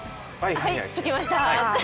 はい、着きました。